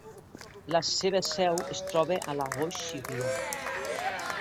La seva seu es troba a La Roche-sur-Yon.